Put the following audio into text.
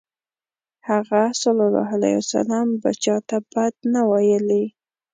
هغه ﷺ به چاته بد نه ویلی.